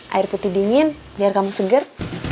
air putih dingin biar kamu segar